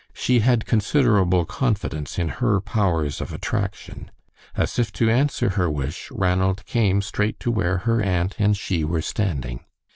She had considerable confidence in her powers of attraction. As if to answer her wish, Ranald came straight to where her aunt and she were standing.